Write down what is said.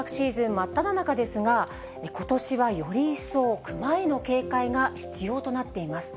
真っただ中ですが、ことしはより一層、クマへの警戒が必要となっています。